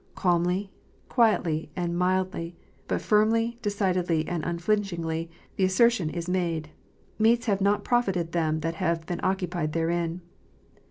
Calmly, quietly, and mildly, but firmly, decidedly, and unflinchingly, the assertion is made, " Meats have not profited them that have been occupied therein."